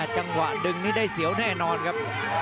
จังหวะดึงนี่ได้เสียวแน่นอนครับ